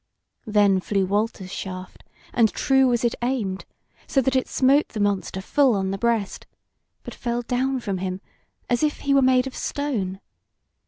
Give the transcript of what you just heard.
Then flew Walter's shaft, and true was it aimed, so that it smote the monster full on the breast, but fell down from him as if he were made of stone.